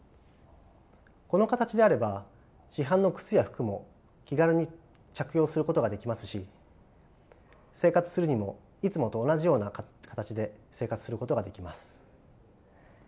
この形であれば市販の靴や服も気軽に着用することができますし生活するにもいつもと同じような形で生活することができます。